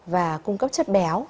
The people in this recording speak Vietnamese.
và cung cấp chất béo